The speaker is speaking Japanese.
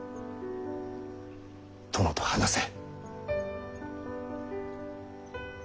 殿と話せ。